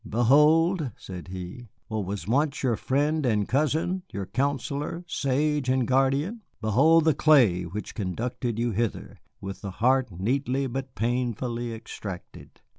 "Behold," said he, "what was once your friend and cousin, your counsellor, sage, and guardian. Behold the clay which conducted you hither, with the heart neatly but painfully extracted.